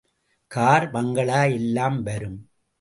Car, bungalow எல்லாம் வரும்.